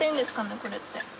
これって。